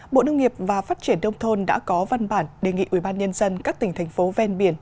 bộ nông nghiệp và phát triển nông thôn đã có văn bản đề nghị ủy ban nhân dân các tỉnh thành phố ven biển